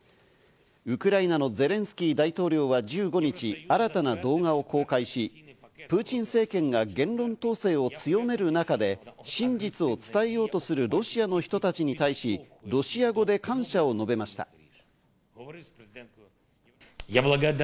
ウクライナのゼレンスキー大統領は１５日、新たな動画を公開し、プーチン政権が言論統制を強める中で真実を伝えようとするロシアの人たちに対し、ロシア語で感謝を述べました。